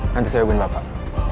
nanti saya hubungi bapak